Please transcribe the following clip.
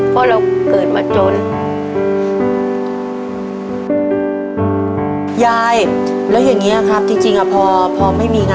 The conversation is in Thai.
เพราะเราเกิดมาจน